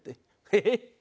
ヘヘッ！